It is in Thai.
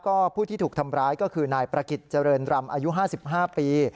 ก็ผู้ที่ถูกทำร้ายก็คือนายประกิจเจริญรำอายุ๕๕ปี